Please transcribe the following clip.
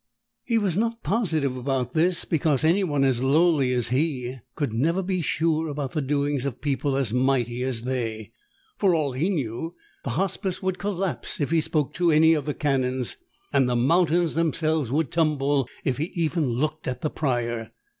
He was not positive about this because anyone as lowly as he could never be sure about the doings of people as mighty as they. For all he knew, the Hospice would collapse if he spoke to any of the Canons, and the mountains themselves would tumble if he even looked at the Prior.